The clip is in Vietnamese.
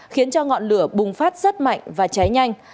khiến cho ngọn lửa bùng phát rất mạnh và cháy nhanh